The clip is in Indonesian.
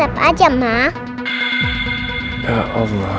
ya allah reina kenapa bilang begitu sih